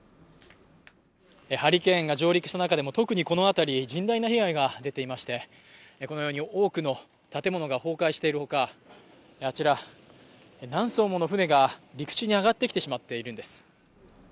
ハリケーンが上陸した中でも、特にこの辺り、甚大な被害が出ていまして、このように多くの建物が崩壊している他、あちら、何そうもの船が陸地に上がってきてしまっているんです。